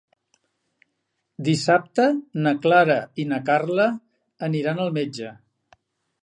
Dissabte na Clara i na Carla aniran al metge.